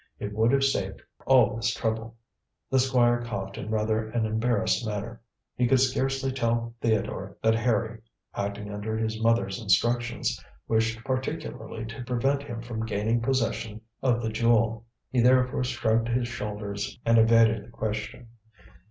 It would have saved all this trouble." The Squire coughed in rather an embarrassed manner. He could scarcely tell Theodore that Harry, acting under his mother's instructions, wished particularly to prevent him from gaining possession of the jewel. He therefore shrugged his shoulders and evaded the question.